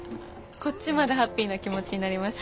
こっちまでハッピーな気持ちになりました。